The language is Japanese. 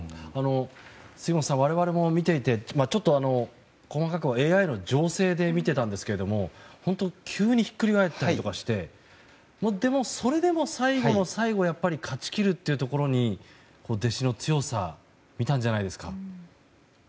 杉本さん我々も見ていて、細かくはＡＩの情勢で見ていたんですが本当に急にひっくり返ったりしてでも、それでも最後の最後勝ち切るというところに弟子の強さを見たんじゃないですか。